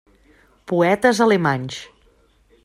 Poetes alemanys.